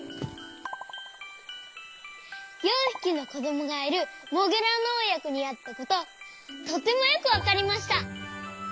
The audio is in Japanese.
４ひきのこどもがいるモグラのおやこにあったこととてもよくわかりました。